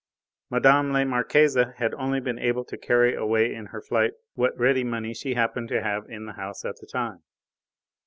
Mme. la Marquise had only been able to carry away in her flight what ready money she happened to have in the house at the time.